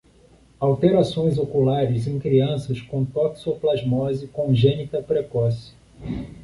Alterações oculares em crianças com toxoplasmose congênita precoce